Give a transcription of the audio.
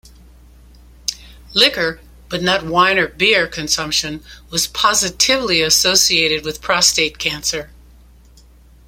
Liquor, but not wine or beer, consumption was positively associated with prostate cancer.